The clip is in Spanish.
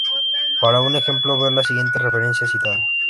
Para un ejemplo ver la siguiente referencia citada.